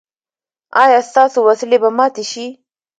ایا ستاسو وسلې به ماتې شي؟